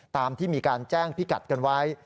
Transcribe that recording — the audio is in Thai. ตามที่มีการแจ้งพิกัดกันไว้